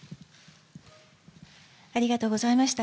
ありがとうございます。